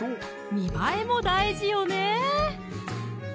見栄えも大事よね！